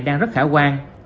đang rất khả quan